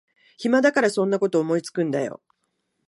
暇だからそんなこと思いつくんだよ